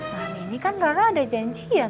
mami ini kan rora ada janjian